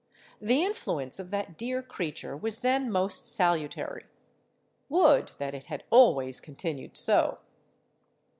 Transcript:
The influence of that dear creature was then most salutary:—would that it had always continued so!